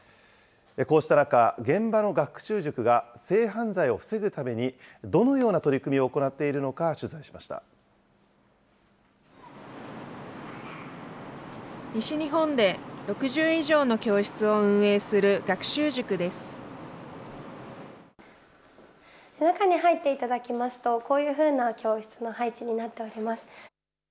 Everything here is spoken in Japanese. こうした中、現場の学習塾が性犯罪を防ぐために、どのような取り組みを行っているのか取材しまし西日本で６０以上の教室を運中に入っていただきますと、こういうふうな教室の配置になっております。